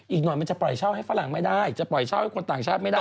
อีกหน่อยมันจะปล่อยเช่าให้ฝรั่งไม่ได้จะปล่อยเช่าให้คนต่างชาติไม่ได้